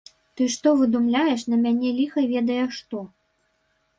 Ты што выдумляеш на мяне ліха ведае што.